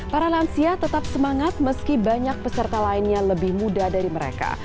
para lansia tetap semangat meski banyak peserta lainnya lebih muda dari mereka